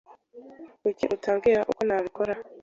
Kuki utambwira uko nabikora?